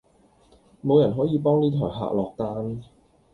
無人可以幫呢枱客落單